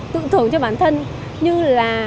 tự thưởng cho bản thân như là